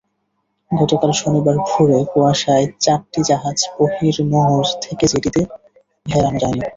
গতকাল শনিবার ভোরে কুয়াশায় চারটি জাহাজ বহির্নোঙর থেকে জেটিতে ভেড়ানো যায়নি।